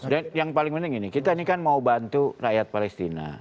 dan yang paling penting ini kita ini kan mau bantu rakyat palestina